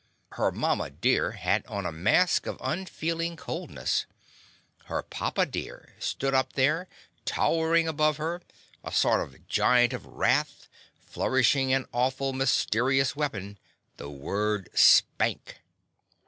Her mama dear had on a mask of unfeelin' coldness. Her papa dear stood up there towerin' above her, a sort of giacnt of wrath, flourishin' an awful, mysterious wea pon, the word "spank."